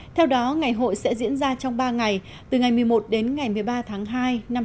theo đó ngày hội sẽ diễn ra trong ba ngày từ ngày một mươi một đến ngày một mươi ba tháng hai năm hai nghìn hai mươi